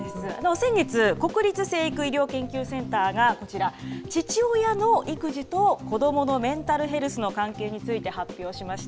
先月、国立成育医療研究センターがこちら、父親の育児と子どものメンタルヘルスの関係について発表しました。